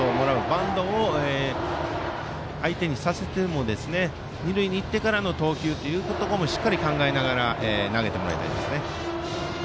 バントを相手にさせても二塁に行ってからの投球もしっかり考えながら投げてもらいたいです。